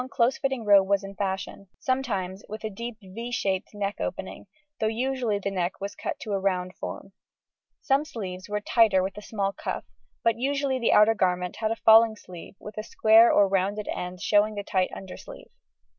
8. Twelfth to fourteenth century.] In the 10th century a long close fitting robe was in fashion, sometimes with a deep =V= shaped neck opening, though usually the neck was cut to a round form. Some sleeves were tighter with a small cuff, but usually the outer garment had a falling sleeve with a square or round end showing the tight undersleeve.